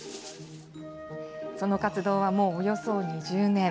その活動はもうおよそ２０年。